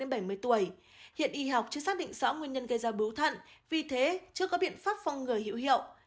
hiện y học chưa xác định rõ nguyên nhân gây ra biếu thận vì thế chưa có biện pháp phong người hiệu hiệu